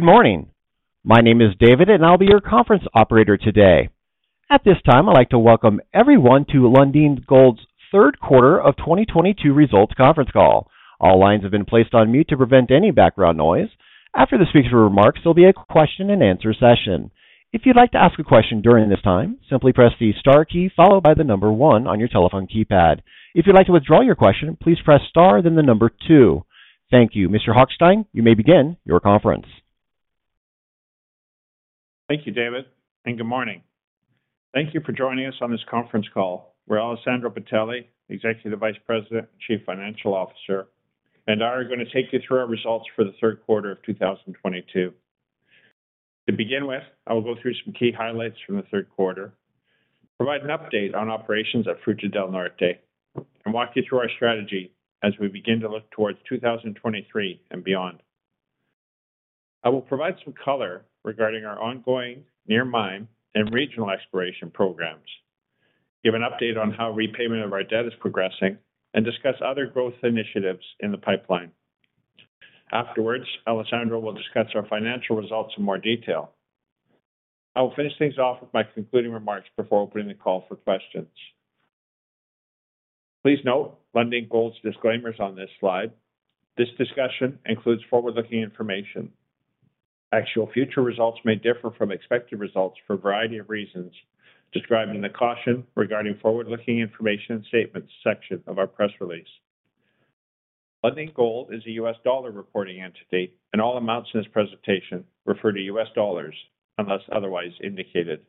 Good morning. My name is David, and I'll be your conference operator today. At this time, I'd like to welcome everyone to Lundin Gold's third quarter of 2022 results conference call. All lines have been placed on mute to prevent any background noise. After the speaker remarks, there'll be a question and answer session. If you'd like to ask a question during this time, simply press the star key followed by the number one on your telephone keypad. If you'd like to withdraw your question, please press star, then the number two. Thank you. Mr. Hochstein, you may begin your conference. Thank you, David, and good morning. Thank you for joining us on this conference call, where Alessandro Bitelli, Executive Vice President and Chief Financial Officer, and I are going to take you through our results for the third quarter of 2022. To begin with, I will go through some key highlights from the third quarter, provide an update on operations at Fruta del Norte, and walk you through our strategy as we begin to look towards 2023 and beyond. I will provide some color regarding our ongoing near mine and regional exploration programs, give an update on how repayment of our debt is progressing, and discuss other growth initiatives in the pipeline. Afterwards, Alessandro will discuss our financial results in more detail. I will finish things off with my concluding remarks before opening the call for questions. Please note Lundin Gold's disclaimers on this slide. This discussion includes forward-looking information. Actual future results may differ from expected results for a variety of reasons described in the Caution Regarding Forward-Looking Information and Statements section of our press release. Lundin Gold is a U.S. dollar reporting entity, and all amounts in this presentation refer to U.S. dollars unless otherwise indicated.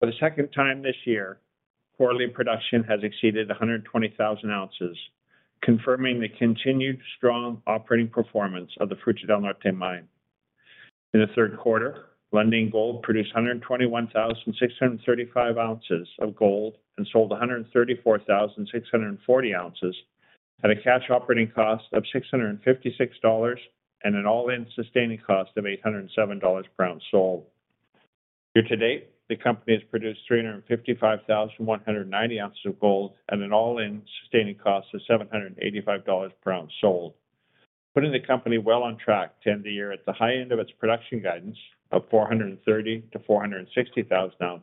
For the second time this year, quarterly production has exceeded 120,000 oz, confirming the continued strong operating performance of the Fruta del Norte mine. In the third quarter, Lundin Gold produced 121,635 oz of gold and sold 134,640 oz at a cash operating cost of $656 and an all-in sustaining cost of $807/oz sold. Year to date, the company has produced 355,190 oz of gold at an all-in sustaining cost of $785/oz sold, putting the company well on track to end the year at the high end of its production guidance of 430,000 oz-460,000 oz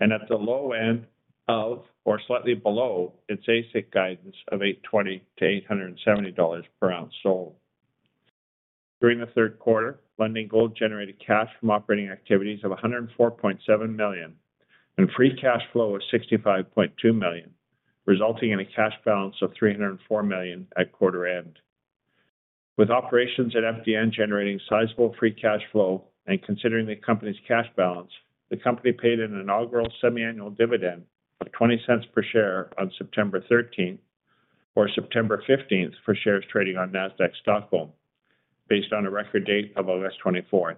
and at the low end of or slightly below its AISC guidance of $820/oz-$870/oz sold. During the third quarter, Lundin Gold generated cash from operating activities of $104.7 million and free cash flow of $65.2 million, resulting in a cash balance of $304 million at quarter end. With operations at FDN generating sizable free cash flow and considering the company's cash balance, the company paid an inaugural semiannual dividend of $0.20 per share on September 13th, or September 15th for shares trading on Nasdaq Stockholm, based on a record date of August 24th.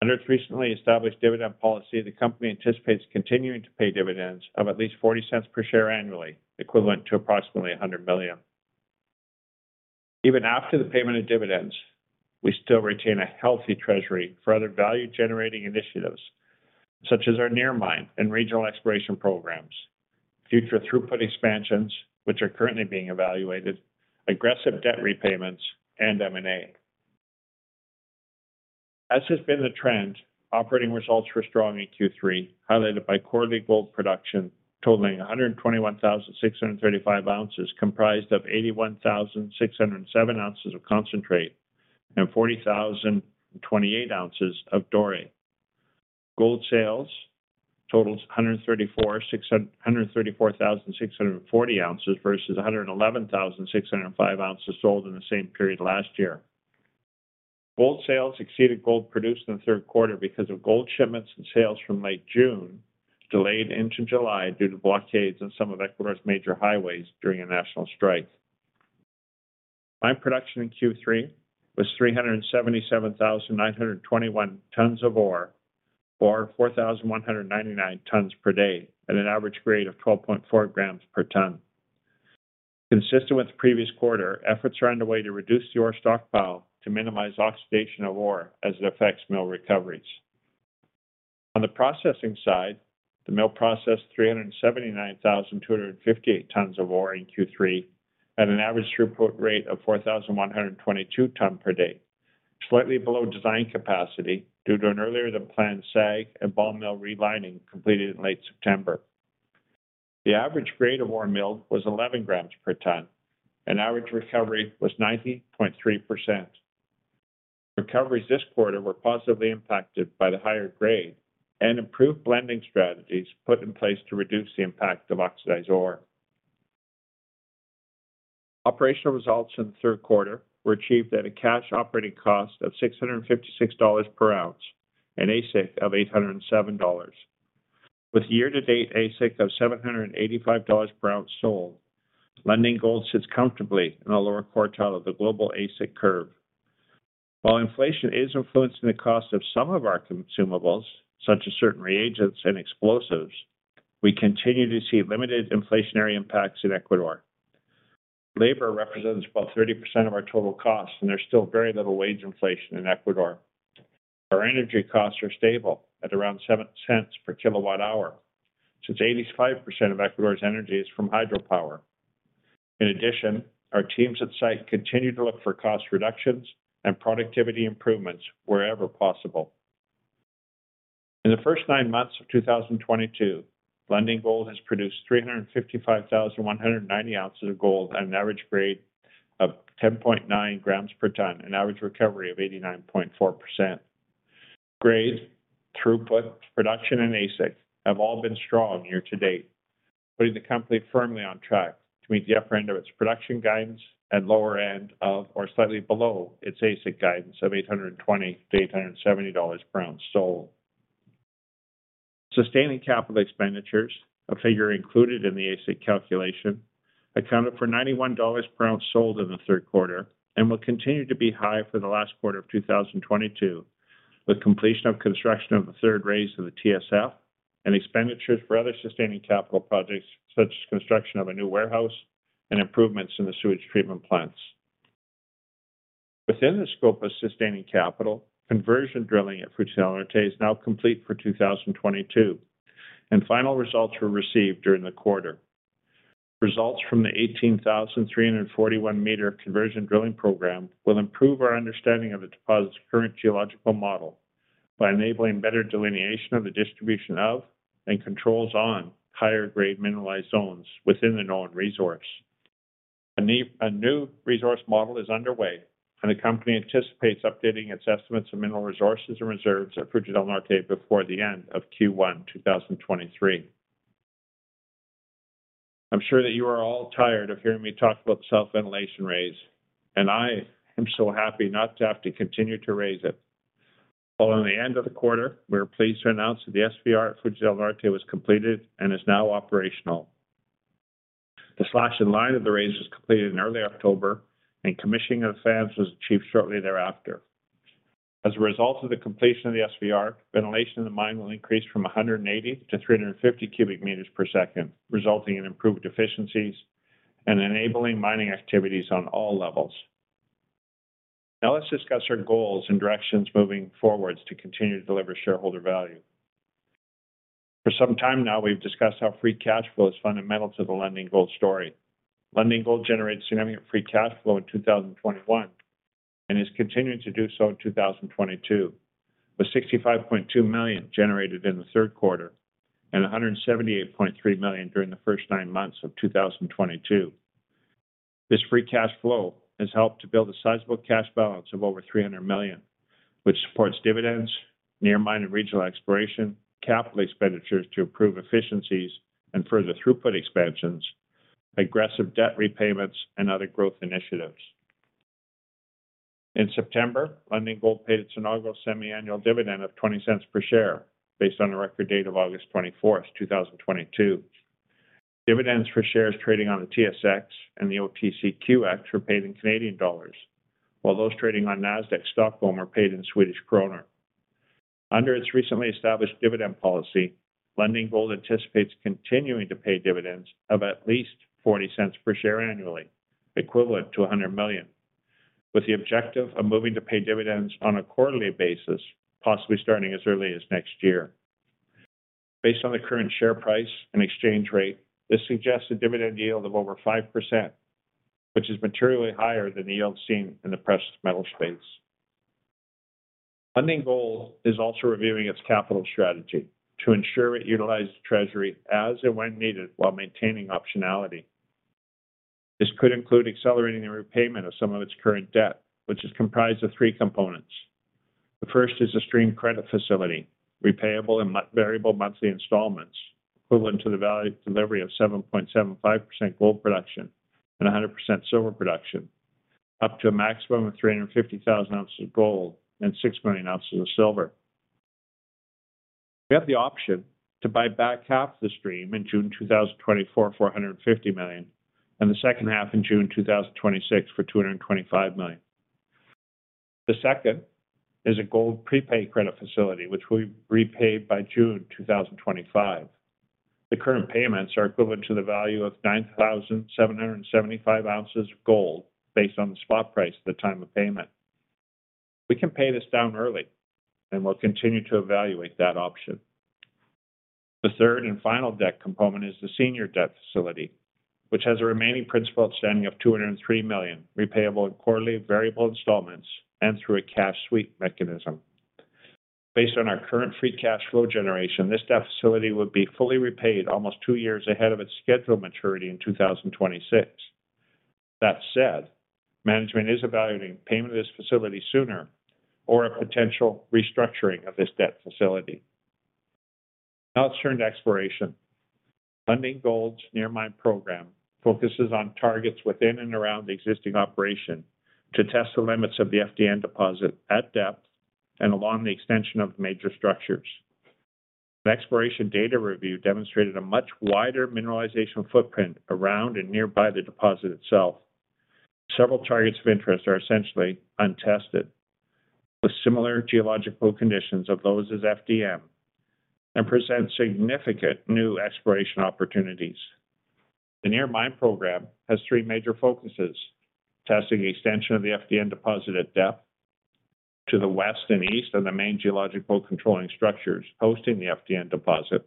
Under its recently established dividend policy, the company anticipates continuing to pay dividends of at least $0.40 per share annually, equivalent to approximately $100 million. Even after the payment of dividends, we still retain a healthy treasury for other value-generating initiatives, such as our near mine and regional exploration programs, future throughput expansions, which are currently being evaluated, aggressive debt repayments, and M&A. As has been the trend, operating results were strong in Q3, highlighted by quarterly gold production totaling 121,635 oz, comprised of 81,607 oz of concentrate and 40,028 oz of doré. Gold sales totaled 134,640 oz versus 111,605 oz sold in the same period last year. Gold sales exceeded gold produced in the third quarter because of gold shipments and sales from late June delayed into July due to blockades on some of Ecuador's major highways during a national strike. Mine production in Q3 was 377,921 tons of ore, or 4,199 tons per day at an average grade of 12.4 g per ton. Consistent with the previous quarter, efforts are underway to reduce the ore stockpile to minimize oxidation of ore as it affects mill recoveries. On the processing side, the mill processed 379,258 tons of ore in Q3 at an average throughput rate of 4,122 tons per day, slightly below design capacity due to an earlier-than-planned SAG and ball mill relining completed in late September. The average grade of ore milled was 11 g per ton, and average recovery was 90.3%. Recoveries this quarter were positively impacted by the higher grade and improved blending strategies put in place to reduce the impact of oxidized ore. Operational results in the third quarter were achieved at a cash operating cost of $656/oz, an AISC of $807. With year-to-date AISC of $785/oz sold, Lundin Gold sits comfortably in the lower quartile of the global AISC curve. While inflation is influencing the cost of some of our consumables, such as certain reagents and explosives, we continue to see limited inflationary impacts in Ecuador. Labor represents about 30% of our total cost, and there's still very little wage inflation in Ecuador. Our energy costs are stable at around $0.07/kWh since 85% of Ecuador's energy is from hydropower. In addition, our teams at site continue to look for cost reductions and productivity improvements wherever possible. In the first nine months of 2022, Lundin Gold has produced 355,190 oz of gold at an average grade of 10.9 g per ton and average recovery of 89.4%. Grade, throughput, production, and AISC have all been strong year to date, putting the company firmly on track to meet the upper end of its production guidance and lower end of or slightly below its AISC guidance of $820/oz-$870/oz sold. Sustaining capital expenditures, a figure included in the AISC calculation, accounted for $91/oz sold in the third quarter and will continue to be high for the last quarter of 2022, with completion of construction of the third raise of the TSF and expenditures for other sustaining capital projects such as construction of a new warehouse and improvements in the sewage treatment plants. Within the scope of sustaining capital, conversion drilling at Fruta del Norte is now complete for 2022, and final results were received during the quarter. Results from the 18,341 m conversion drilling program will improve our understanding of the deposit's current geological model by enabling better delineation of the distribution of and controls on higher grade mineralized zones within the known resource. A new resource model is underway, and the company anticipates updating its estimates of mineral resources and reserves at Fruta del Norte before the end of Q1 2023. I'm sure that you are all tired of hearing me talk about the south ventilation raise, and I am so happy not to have to continue to raise it. Following the end of the quarter, we are pleased to announce that the SVR at Fruta del Norte was completed and is now operational. The slashing and lining of the raise was completed in early October, and commissioning of fans was achieved shortly thereafter. As a result of the completion of the SVR, ventilation in the mine will increase from 180-350 cubic meters per second, resulting in improved efficiencies and enabling mining activities on all levels. Now let's discuss our goals and directions moving forward to continue to deliver shareholder value. For some time now, we've discussed how free cash flow is fundamental to the Lundin Gold story. Lundin Gold generated significant free cash flow in 2021 and is continuing to do so in 2022, with $65.2 million generated in the third quarter and $178.3 million during the first nine months of 2022. This free cash flow has helped to build a sizable cash balance of over $300 million, which supports dividends, near mine and regional exploration, capital expenditures to improve efficiencies and further throughput expansions, aggressive debt repayments, and other growth initiatives. In September, Lundin Gold paid its inaugural semiannual dividend of $0.20 per share based on a record date of August 24, 2022. Dividends for shares trading on the TSX and the OTCQX were paid in Canadian dollars, while those trading on Nasdaq Stockholm were paid in Swedish krona. Under its recently established dividend policy, Lundin Gold anticipates continuing to pay dividends of at least $0.40 per share annually, equivalent to $100 million, with the objective of moving to pay dividends on a quarterly basis, possibly starting as early as next year. Based on the current share price and exchange rate, this suggests a dividend yield of over 5%, which is materially higher than the yield seen in the precious metal space. Lundin Gold is also reviewing its capital strategy to ensure it utilizes treasury as and when needed while maintaining optionality. This could include accelerating the repayment of some of its current debt, which is comprised of three components. The first is a stream credit facility, repayable in variable monthly installments equivalent to the value of delivery of 7.75% gold production and 100% silver production, up to a maximum of 350,000 oz of gold and 6 million ounces of silver. We have the option to buy back half the stream in June 2024 for $150 million and the second half in June 2026 for $225 million. The second is a gold prepaid credit facility, which we repaid by June 2025. The current payments are equivalent to the value of 9,775 oz of gold based on the spot price at the time of payment. We can pay this down early, and we'll continue to evaluate that option. The third and final debt component is the senior debt facility, which has a remaining principal outstanding of $203 million, repayable in quarterly variable installments and through a cash sweep mechanism. Based on our current free cash flow generation, this debt facility would be fully repaid almost two years ahead of its scheduled maturity in 2026. That said, management is evaluating payment of this facility sooner or a potential restructuring of this debt facility. Now let's turn to exploration. Lundin Gold's near mine program focuses on targets within and around the existing operation to test the limits of the FDN deposit at depth and along the extension of major structures. An exploration data review demonstrated a much wider mineralization footprint around and nearby the deposit itself. Several targets of interest are essentially untested, with similar geological conditions of those as FDN, and present significant new exploration opportunities. The near mine program has three major focuses, testing the extension of the FDN deposit at depth to the west and east of the main geological controlling structures hosting the FDN deposit,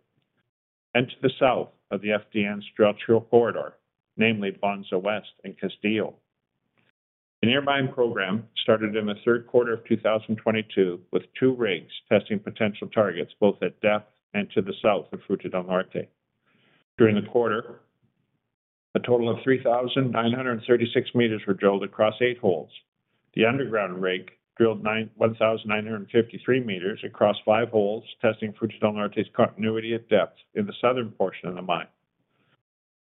and to the south of the FDN structural corridor, namely Bonza West and Castillo. The near mine program started in the third quarter of 2022 with two rigs testing potential targets both at depth and to the south of Fruta del Norte. During the quarter, a total of 3,936 m were drilled across eight holes. The underground rig drilled 1,953 m across five holes, testing Fruta del Norte's continuity at depth in the southern portion of the mine.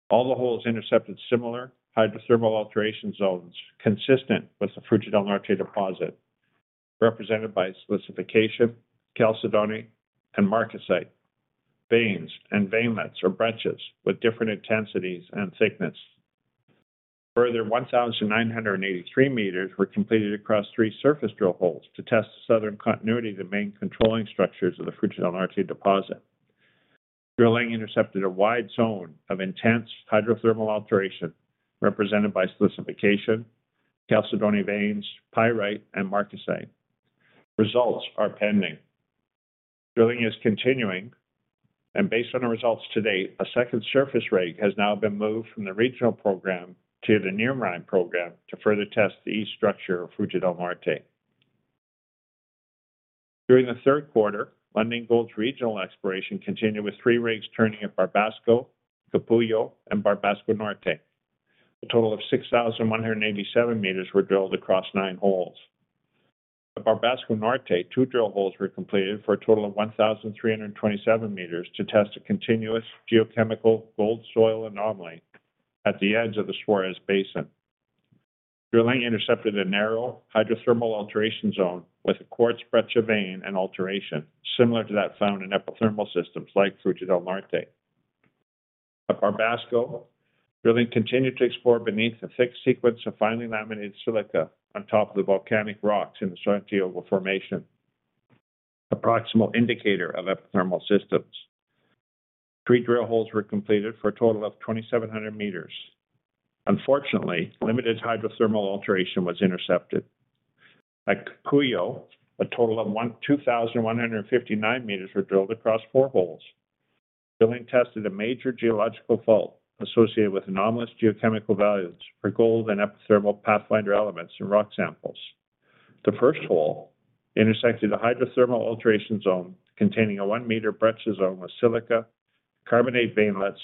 All the holes intercepted similar hydrothermal alteration zones consistent with the Fruta del Norte deposit, represented by silicification, chalcedony, and marcasite, veins and veinlets or breccias with different intensities and thickness. Further, 1,983 m were completed across three surface drill holes to test the southern continuity of the main controlling structures of the Fruta del Norte deposit. Drilling intercepted a wide zone of intense hydrothermal alteration represented by silicification, chalcedony veins, pyrite, and marcasite. Results are pending. Drilling is continuing, and based on the results to date, a second surface rig has now been moved from the regional program to the near mine program to further test the east structure of Fruta del Norte. During the third quarter, Lundin Gold's regional exploration continued with three rigs turning at Barbasco, Capullo, and Barbasco Norte. A total of 6,187 m were drilled across nine holes. At Barbasco Norte, two drill holes were completed for a total of 1,327 m to test a continuous geochemical gold soil anomaly at the edge of the Suarez Basin. Drilling intercepted a narrow hydrothermal alteration zone with a quartz breccia vein and alteration similar to that found in epithermal systems like Fruta del Norte. At Barbasco, drilling continued to explore beneath a thick sequence of finely laminated silica on top of the volcanic rocks in the Santiago formation, a proximal indicator of epithermal systems. Three drill holes were completed for a total of 2,700 m. Unfortunately, limited hydrothermal alteration was intercepted. At Capullo, a total of 2,159 m were drilled across four holes. Drilling tested a major geological fault associated with anomalous geochemical values for gold and epithermal pathfinder elements in rock samples. The first hole intersected a hydrothermal alteration zone containing a 1 m breccia zone with silica, carbonate veinlets,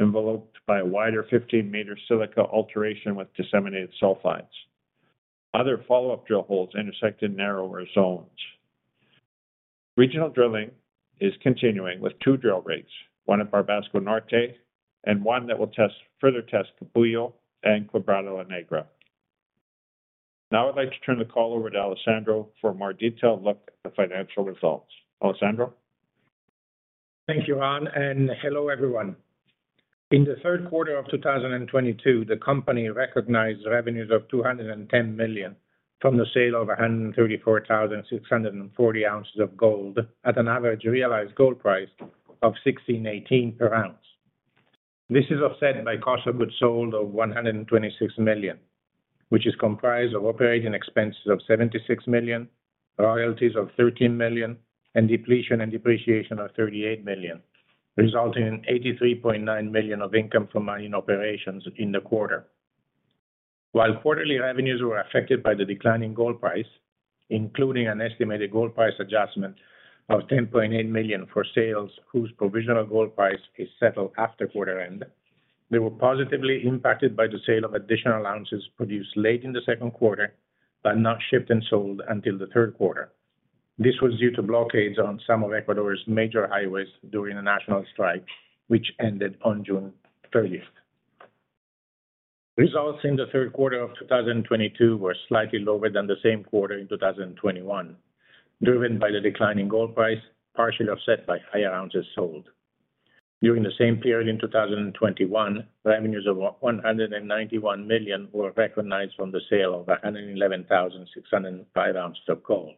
enveloped by a wider 15 m silica alteration with disseminated sulfides. Other follow-up drill holes intersected narrower zones. Regional drilling is continuing with two drill rigs, one at Barbasco Norte and one that will further test Capullo and Quebrada La Negra. Now, I'd like to turn the call over to Alessandro for a more detailed look at the financial results. Alessandro? Thank you, Ron, and hello, everyone. In the third quarter of 2022, the company recognized revenues of $210 million from the sale of 134,640 oz of gold at an average realized gold price of $1,618/oz. This is offset by cost of goods sold of $126 million, which is comprised of operating expenses of $76 million, royalties of $13 million, and depletion and depreciation of $38 million, resulting in $83.9 million of income from mining operations in the quarter. While quarterly revenues were affected by the decline in gold price, including an estimated gold price adjustment of $10.8 million for sales whose provisional gold price is settled after quarter end, they were positively impacted by the sale of additional ounces produced late in the second quarter, but not shipped and sold until the third quarter. This was due to blockades on some of Ecuador's major highways during the national strike, which ended on June 30th. Results in the third quarter of 2022 were slightly lower than the same quarter in 2021, driven by the decline in gold price, partially offset by higher ounces sold. During the same period in 2021, revenues of $191 million were recognized from the sale of 111,605 oz of gold,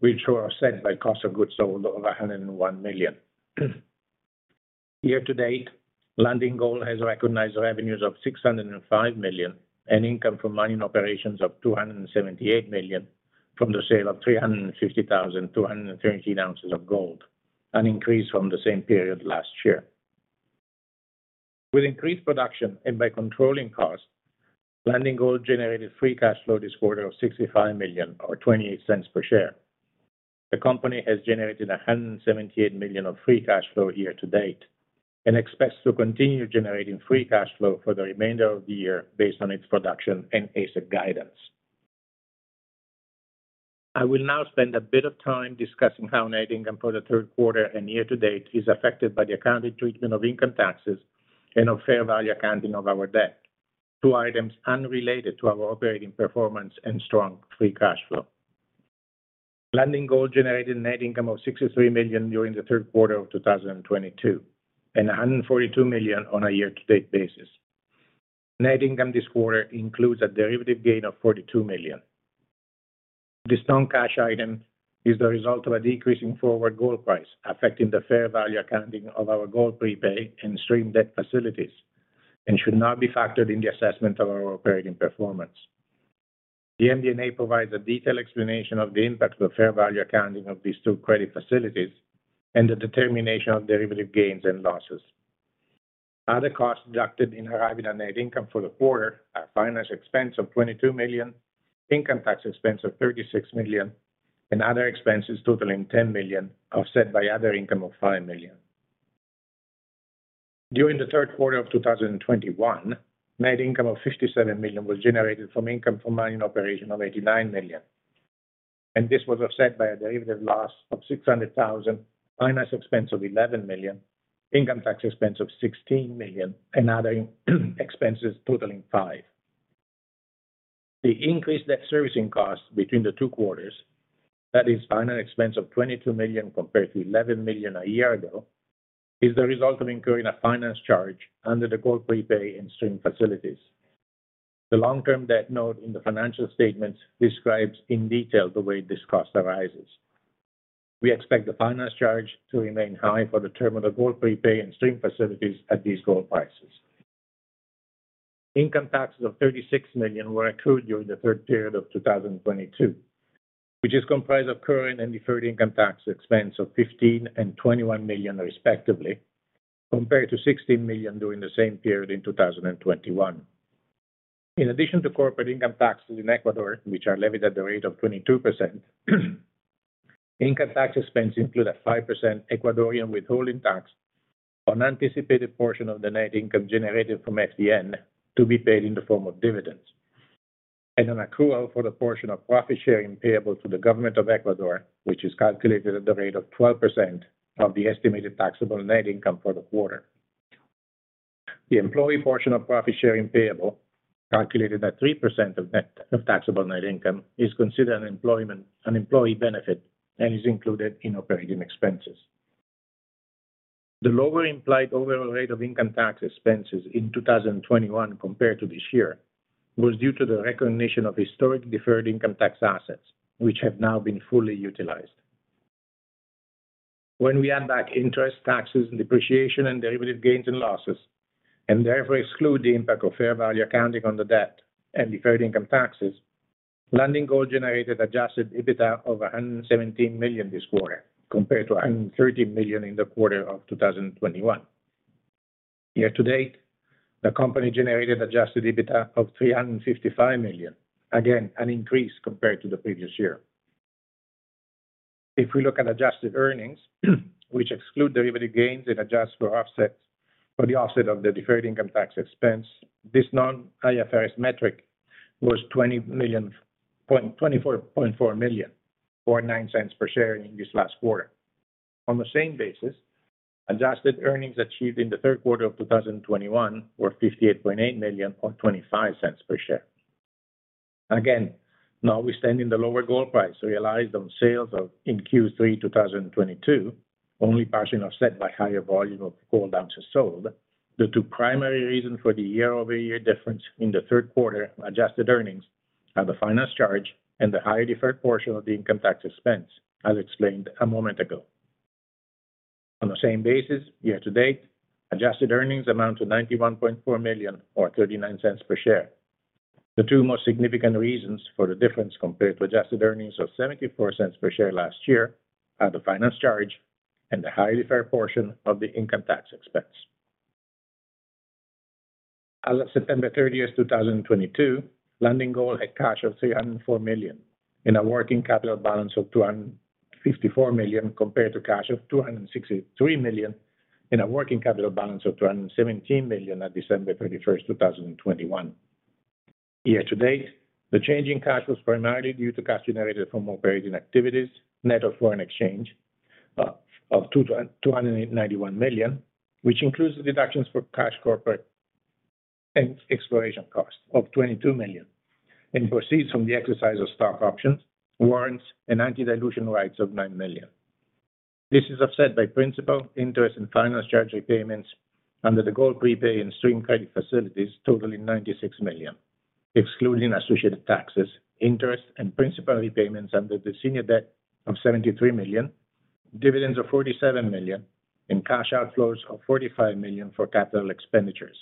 which were offset by cost of goods sold of $101 million. Year to date, Lundin Gold has recognized revenues of $605 million and income from mining operations of $278 million from the sale of 350,213 oz of gold, an increase from the same period last year. With increased production and by controlling costs, Lundin Gold generated free cash flow this quarter of $65 million or $0.28 per share. The company has generated $178 million of free cash flow year to date and expects to continue generating free cash flow for the remainder of the year based on its production and AISC guidance. I will now spend a bit of time discussing how net income for the third quarter and year to date is affected by the accounting treatment of income taxes and of fair value accounting of our debt. Two items unrelated to our operating performance and strong free cash flow. Lundin Gold generated net income of $63 million during the third quarter of 2022 and $142 million on a year to date basis. Net income this quarter includes a derivative gain of $42 million. This non-cash item is the result of a decrease in forward gold price, affecting the fair value accounting of our gold prepay and stream debt facilities and should not be factored in the assessment of our operating performance. The MD&A provides a detailed explanation of the impact of the fair value accounting of these two credit facilities and the determination of derivative gains and losses. Other costs deducted in arriving at net income for the quarter are finance expense of $22 million, income tax expense of $36 million, and other expenses totaling $10 million, offset by other income of $5 million. During the third quarter of 2021, net income of $57 million was generated from income from mining operation of $89 million. This was offset by a derivative loss of $600,000, finance expense of $11 million, income tax expense of $16 million, and other expenses totaling $5 million. The increased net servicing costs between the two quarters, that is finance expense of $22 million compared to $11 million a year ago, is the result of incurring a finance charge under the gold prepay and stream facilities. The long-term debt note in the financial statements describes in detail the way this cost arises. We expect the finance charge to remain high for the term of the gold prepay and stream facilities at these gold prices. Income taxes of $36 million were accrued during the third period of 2022, which is comprised of current and deferred income tax expense of $15 million and $21 million respectively, compared to $16 million during the same period in 2021. In addition to corporate income taxes in Ecuador, which are levied at the rate of 22%, income tax expense include a 5% Ecuadorian withholding tax on anticipated portion of the net income generated from FDN to be paid in the form of dividends, and an accrual for the portion of profit sharing payable to the government of Ecuador, which is calculated at the rate of 12% of the estimated taxable net income for the quarter. The employee portion of profit sharing payable, calculated at 3% of net taxable net income, is considered an employee benefit and is included in operating expenses. The lower implied overall rate of income tax expenses in 2021 compared to this year was due to the recognition of historic deferred income tax assets, which have now been fully utilized. When we add back interest, taxes, and depreciation and derivative gains and losses, and therefore exclude the impact of fair value accounting on the debt and deferred income taxes, Lundin Gold generated adjusted EBITDA of $117 million this quarter, compared to $113 million in the quarter of 2021. Year to date, the company generated adjusted EBITDA of $355 million, again, an increase compared to the previous year. If we look at adjusted earnings, which exclude derivative gains and adjust for offset, for the offset of the deferred income tax expense, this non-IFRS metric was $24.4 million or $0.09 per share in this last quarter. On the same basis, adjusted earnings achieved in the third quarter of 2021 were $58.8 million or $0.25 per share. Again, now we're seeing the lower gold price realized on sales in Q3 2022, only partially offset by higher volume of gold ounces sold. The two primary reasons for the year-over-year difference in the third quarter adjusted earnings are the finance charge and the higher deferred portion of the income tax expense, as explained a moment ago. On the same basis, year to date, adjusted earnings amount to $91.4 million or $0.39 per share. The two most significant reasons for the difference compared to adjusted earnings of $0.74 per share last year are the finance charge and the higher deferred portion of the income tax expense. As of September 30th, 2022, Lundin Gold had cash of $304 million in a working capital balance of $254 million compared to cash of $263 million in a working capital balance of $217 million on December 31st, 2021. Year to date, the change in cash was primarily due to cash generated from operating activities, net of foreign exchange, of $291 million, which includes the deductions for cash, corporate, and exploration costs of $22 million, and proceeds from the exercise of stock options, warrants, and anti-dilution rights of $9 million. This is offset by principal, interest, and finance charge repayments under the gold prepay and stream credit facilities totaling $96 million, excluding associated taxes, interest, and principal repayments under the senior debt of $73 million, dividends of $47 million, and cash outflows of $45 million for capital expenditures,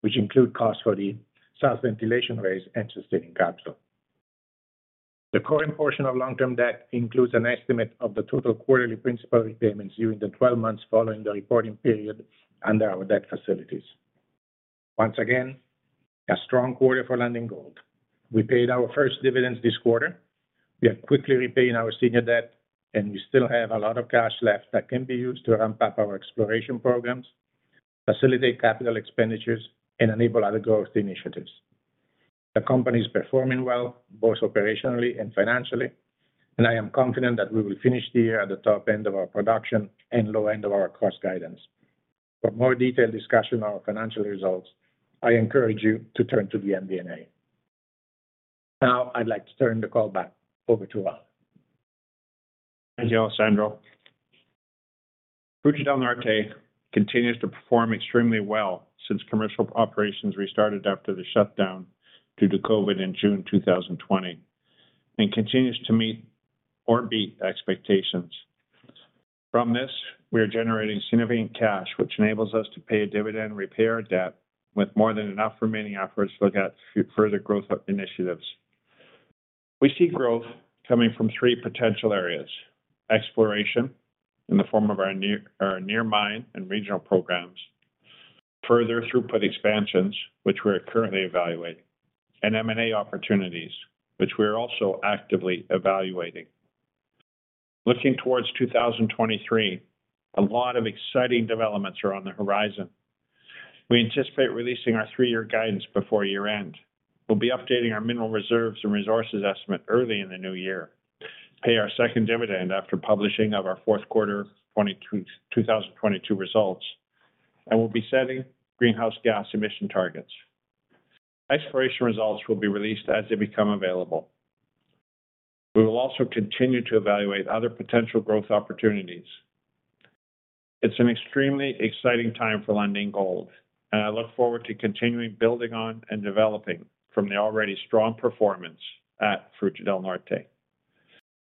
which include costs for the south ventilation raise and sustaining capital. The current portion of long-term debt includes an estimate of the total quarterly principal repayments during the 12 months following the reporting period under our debt facilities. Once again, a strong quarter for Lundin Gold. We paid our first dividends this quarter. We are quickly repaying our senior debt, and we still have a lot of cash left that can be used to ramp up our exploration programs, facilitate capital expenditures, and enable other growth initiatives. The company is performing well, both operationally and financially, and I am confident that we will finish the year at the top end of our production and low end of our cost guidance. For more detailed discussion on our financial results, I encourage you to turn to the MD&A. Now I'd like to turn the call back over to Ron. Thank you, Alessandro. Fruta del Norte continues to perform extremely well since commercial operations restarted after the shutdown due to COVID in June 2020, and continues to meet or beat expectations. From this, we are generating significant cash, which enables us to pay a dividend and repay our debt with more than enough remaining efforts to look at further growth initiatives. We see growth coming from three potential areas. Exploration in the form of our near mine and regional programs. Further throughput expansions, which we are currently evaluating, and M&A opportunities, which we are also actively evaluating. Looking towards 2023, a lot of exciting developments are on the horizon. We anticipate releasing our three-year guidance before year-end. We'll be updating our mineral reserves and resources estimate early in the new year, pay our second dividend after publishing of our fourth quarter 2022 results, and we'll be setting greenhouse gas emission targets. Exploration results will be released as they become available. We will also continue to evaluate other potential growth opportunities. It's an extremely exciting time for Lundin Gold, and I look forward to continuing building on and developing from the already strong performance at Fruta del Norte.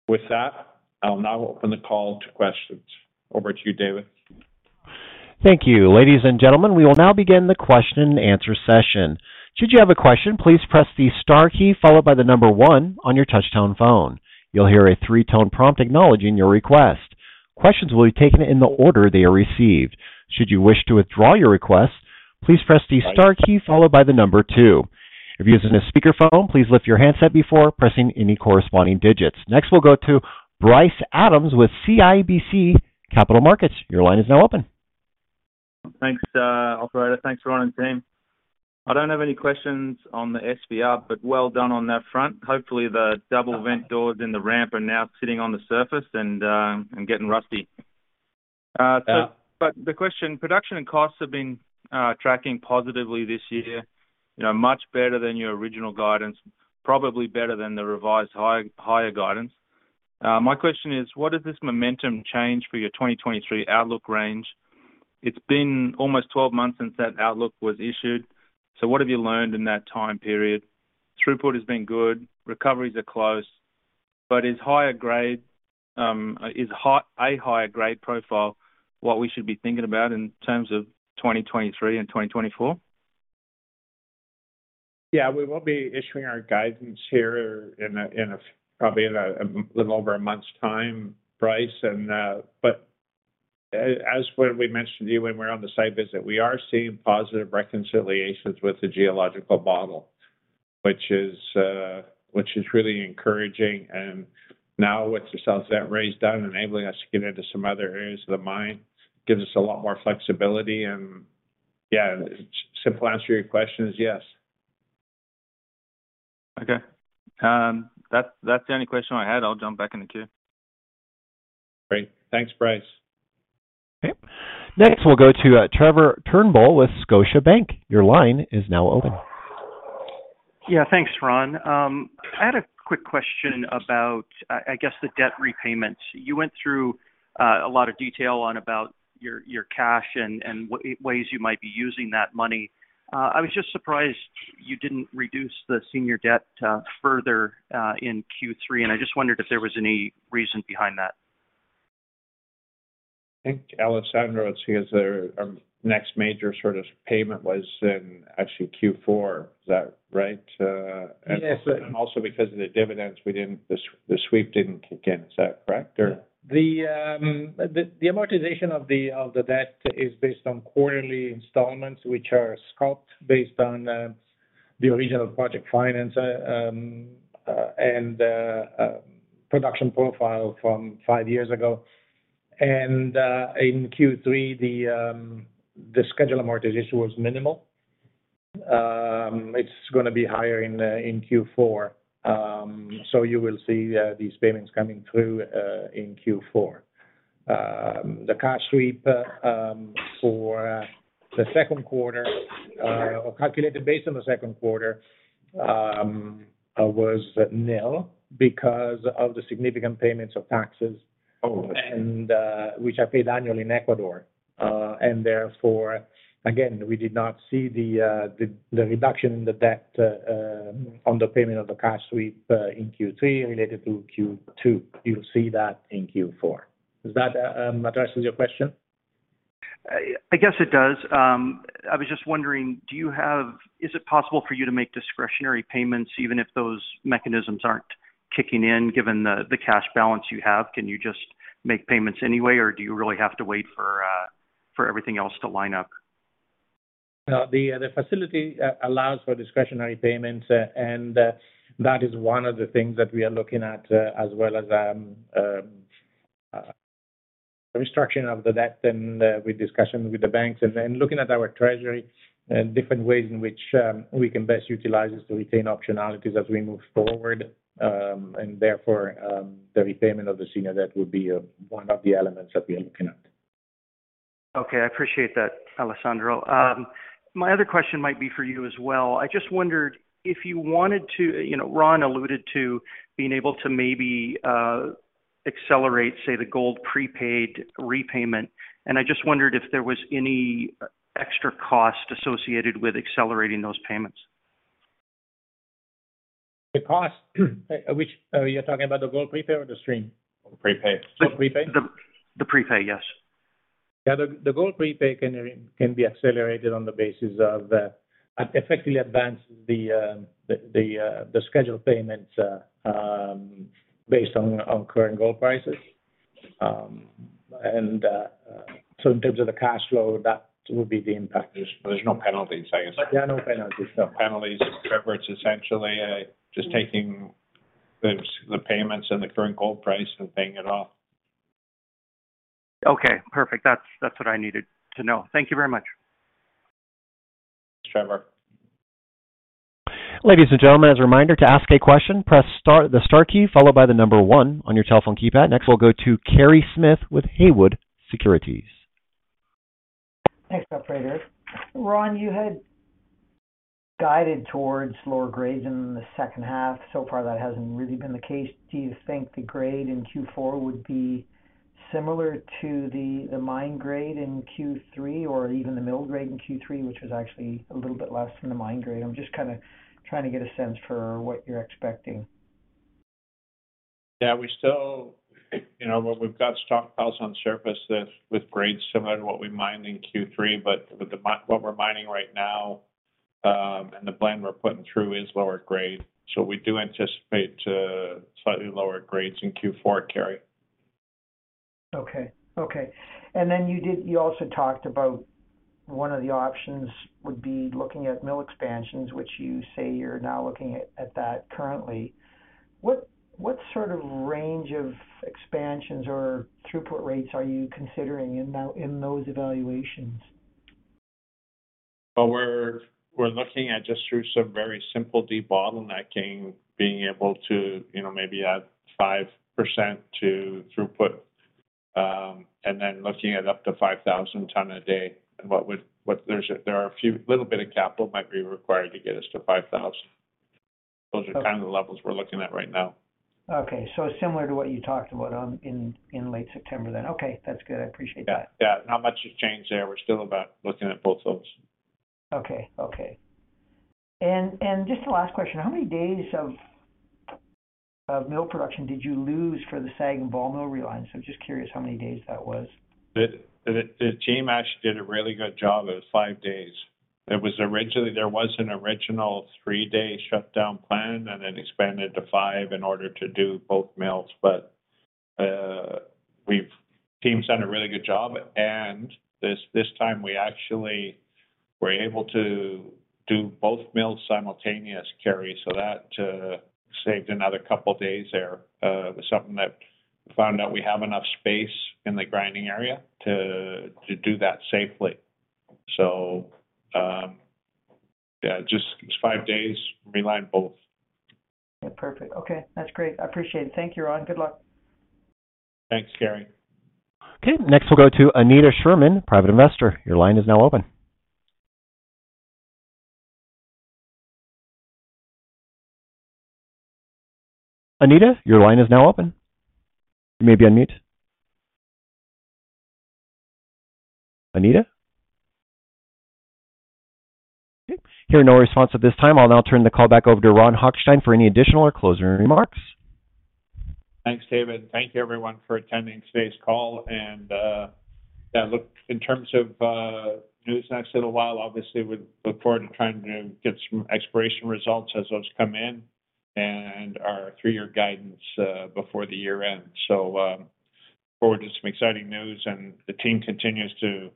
With that, I'll now open the call to questions. Over to you, David. Thank you. Ladies and gentlemen, we will now begin the question and answer session. Should you have a question, please press the star key followed by the number one on your touch tone phone. You'll hear a three-tone prompt acknowledging your request. Questions will be taken in the order they are received. Should you wish to withdraw your request, please press the star key followed by the number two. If you're using a speaker phone, please lift your handset before pressing any corresponding digits. Next, we'll go to Bryce Adams with CIBC Capital Markets. Your line is now open. Thanks, operator. Thanks, Ron and team. I don't have any questions on the SVR, but well done on that front. Hopefully, the double vent doors in the ramp are now sitting on the surface and getting rusty. Yeah. The question, production and costs have been tracking positively this year, you know, much better than your original guidance, probably better than the revised higher guidance. My question is, what does this momentum change for your 2023 outlook range? It has been almost 12 months since that outlook was issued. What have you learned in that time period? Throughput has been good, recoveries are close, but is a higher grade profile what we should be thinking about in terms of 2023 and 2024? Yeah, we will be issuing our guidance here probably in a little over a month's time, Bryce. But as when we mentioned to you when we're on the site visit, we are seeing positive reconciliations with the geological model, which is really encouraging. Now with the south ventilation raise done, enabling us to get into some other areas of the mine, gives us a lot more flexibility. Yeah, simple answer to your question is yes. Okay. That's the only question I had. I'll jump back in the queue. Great. Thanks, Bryce. Okay. Next, we'll go to Trevor Turnbull with Scotiabank. Your line is now open. Yeah, thanks, Ron. I had a quick question about, I guess the debt repayments. You went through a lot of detail on about your cash and ways you might be using that money. I was just surprised you didn't reduce the senior debt further in Q3, and I just wondered if there was any reason behind that. I think Alessandro is here. Our next major sort of payment was in actually Q4. Is that right? Yes. Also because of the dividends, we didn't. The sweep didn't kick in. Is that correct? Or The amortization of the debt is based on quarterly installments, which are scoped based on the original project finance and production profile from five years ago. In Q3, the scheduled amortization was minimal. It's gonna be higher in Q4. You will see these payments coming through in Q4. The cash sweep for the second quarter, calculated based on the second quarter, was nil because of the significant payments of taxes. Oh, okay. Which are paid annually in Ecuador. Therefore, again, we did not see the reduction in the debt on the payment of the cash sweep in Q3 related to Q2. You'll see that in Q4. Does that address your question? I guess it does. I was just wondering, is it possible for you to make discretionary payments even if those mechanisms aren't kicking in, given the cash balance you have? Can you just make payments anyway, or do you really have to wait for everything else to line up? The facility allows for discretionary payments, and that is one of the things that we are looking at, as well as restructuring of the debt and with discussion with the banks. Looking at our treasury and different ways in which we can best utilize this to retain optionalities as we move forward. Therefore, the repayment of the senior debt would be one of the elements that we are looking at. Okay. I appreciate that, Alessandro. My other question might be for you as well. I just wondered. You know, Ron alluded to being able to maybe accelerate, say, the gold prepaid repayment, and I just wondered if there was any extra cost associated with accelerating those payments. The cost, which, you're talking about the gold prepay or the stream? The prepay. Gold prepay? The prepay, yes. Yeah. The gold prepay can be accelerated on the basis of effectively advancing the scheduled payments based on current gold prices. In terms of the cash flow, that will be the impact. There's no penalties. Yeah, no penalties. No. No penalties. Trevor, it's essentially just taking the payments and the current gold price and paying it off. Okay. Perfect. That's what I needed to know. Thank you very much. Thanks, Trevor. Ladies and gentlemen, as a reminder, to ask a question, press star, the star key followed by the number one on your telephone keypad. Next, we'll go to Kerry Smith with Haywood Securities. Thanks, operator. Ron, you had guided towards lower grades in the second half. So far, that hasn't really been the case. Do you think the grade in Q4 would be similar to the mine grade in Q3 or even the mill grade in Q3, which was actually a little bit less than the mine grade? I'm just kinda trying to get a sense for what you're expecting. Yeah. We still you know, well, we've got stockpiles on surface that with grades similar to what we mined in Q3, but with what we're mining right now, and the blend we're putting through is lower grade. We do anticipate slightly lower grades in Q4, Kerry. Okay. You also talked about one of the options would be looking at mill expansions, which you say you're now looking at that currently. What sort of range of expansions or throughput rates are you considering in those evaluations? Well, we're looking at just through some very simple debottlenecking, being able to, you know, maybe add 5% to throughput, and then looking at up to 5,000 tons a day. There are a few little bit of capital might be required to get us to 5,000 ton. Those are kind of the levels we're looking at right now. Similar to what you talked about in late September then. That's good. I appreciate that. Yeah. Yeah. Not much has changed there. We're still about looking at both those. Okay. Just the last question. How many days of mill production did you lose for the SAG and ball mill reline? Just curious how many days that was. The team actually did a really good job. It was five days. There was an original three-day shutdown plan, and it expanded to five in order to do both mills. The team's done a really good job. This time, we actually were able to do both mills simultaneous, Kerry. That saved another couple of days there. Something we found out we have enough space in the grinding area to do that safely. It's five days, relined both. Yeah. Perfect. Okay. That's great. I appreciate it. Thank you, Ron. Good luck. Thanks, Kerry. Okay. Next, we'll go to Anita Sherman, private investor. Your line is now open. Anita, your line is now open. You may be on mute. Anita? Okay. Hearing no response at this time, I'll now turn the call back over to Ron Hochstein for any additional or closing remarks. Thanks, David. Thank you everyone for attending today's call. In terms of news in the next little while, obviously, we look forward to trying to get some exploration results as those come in and our three-year guidance before the year ends. Look forward to some exciting news, and the team continues to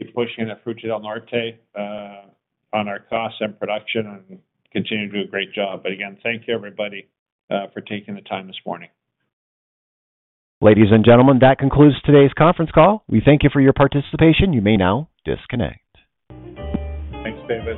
be pushing the Fruta del Norte on our costs and production and continue to do a great job. Again, thank you everybody for taking the time this morning. Ladies and gentlemen, that concludes today's conference call. We thank you for your participation. You may now disconnect. Thanks, David.